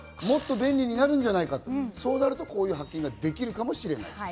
もっと便利になるんじゃないか、そうなるとこういう発見ができるかもしれない。